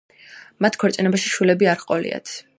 მათ ქორწინებაში შვილები არ ჰყოლიათ.